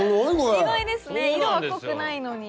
意外ですね色は濃くないのに。